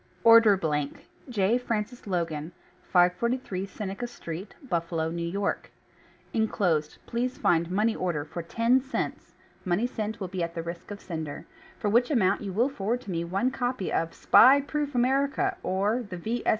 ORDER BLANK J. FRANCIS LOGAN, 543 Seneca Street, Buffalo, N. Y. : Inclosed please find Money Order for TEN CENTS (money sent will be at the risk of sender), for which amount you will forward to me One Copy of "SPY PROOF AMERICA, or the V.